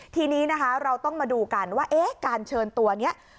ทีนี้นะคะเราต้องมาดูกันว่าเอ๊ะการเชิญตัวนี้